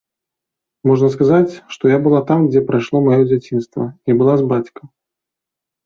Можна сказаць, што я была там, дзе прайшло маё дзяцінства і была з бацькам.